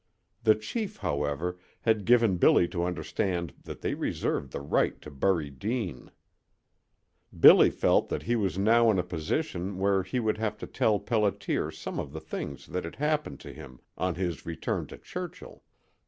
The chief, however, had given Billy to understand that they reserved the right to bury Deane. Billy felt that he was now in a position where he would have to tell Pelliter some of the things that had happened to him on his return to Churchill.